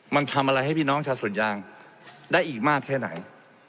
มันทำอะไรให้พี่น้องชาวสวนยางได้อีกมากแค่ไหน